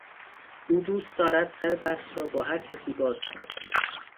او دوست دارد سر بحث را با هر کسی باز کند.